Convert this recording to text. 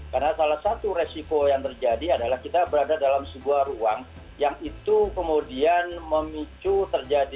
karena salah satu resiko yang terjadi adalah kita berada dalam sebuah ruang yang itu kemudian memicu terjadi